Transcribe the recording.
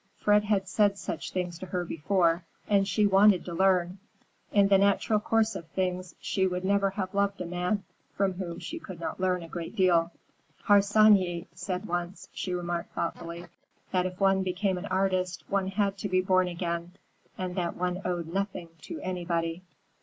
Fred had said such things to her before, and she wanted to learn. In the natural course of things she would never have loved a man from whom she could not learn a great deal. "Harsanyi said once," she remarked thoughtfully, "that if one became an artist one had to be born again, and that one owed nothing to anybody."